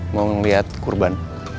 mau ngeliat kurban